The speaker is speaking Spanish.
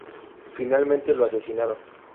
Finalmente lo asesinaron.